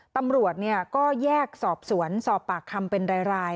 ตำรวจก็แยกสอบสวนสอบปากคำเป็นราย